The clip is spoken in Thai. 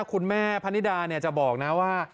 คุณแม่พันนิดาเนี่ยจะบอกนะว่า